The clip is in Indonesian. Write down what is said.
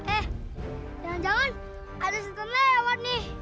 eh jangan jangan ada sistem lewat nih